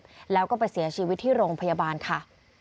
แล้วก็ไปเสียชีวิตที่โรงพยาบาลค่ะ